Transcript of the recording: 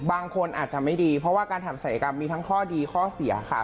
บางคนอาจจะไม่ดีเพราะว่าการทำศัยกรรมมีทั้งข้อดีข้อเสียค่ะ